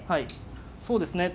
そうですね。